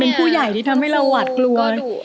เป็นผู้ใหญ่ที่ทำให้เราหวัดกลัว